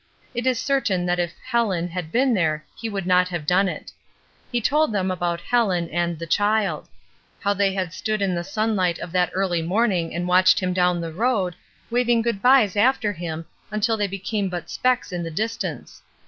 It is certain that if "Helen" had been there he would not have done it. He told them about Helen and "the child": how they had stood in the sunlight of that early morning and watched him down the road, waving good byes after him, until they became but specks in the distance.